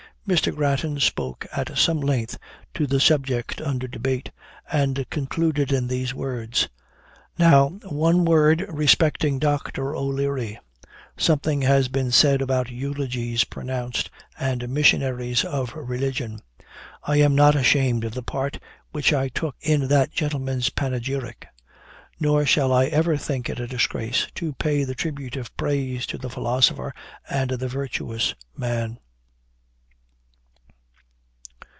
Mr. Grattan spoke at some length to the subject under debate, and concluded in these words: 'Now, one word respecting Dr. O'Leary. Something has been said about eulogies pronounced, and missionaries of religion. I am not ashamed of the part which I took in that gentleman's panegyric; nor shall I ever think it a disgrace to pay the tribute of praise to the philosopher and the virtuous man.'"